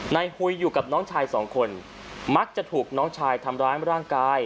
หุยอยู่กับน้องชายสองคนมักจะถูกน้องชายทำร้ายร่างกาย